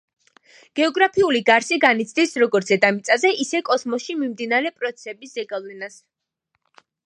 გეოგრაფიული გარსი განიცდის როგორც დედამიწაზე, ისე კოსმოსში მიმდინარე პროცესების ზეგავლენას.